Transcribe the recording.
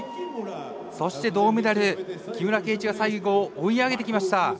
そして銅メダル木村敬一が最後追い上げてきました。